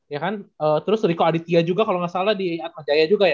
ya kan terus rico aditya juga kalo gak salah di atmajaya juga ya